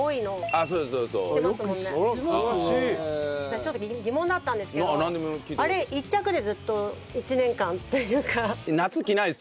私ちょっと疑問だったんですけどあれ１着でずっと１年間というか。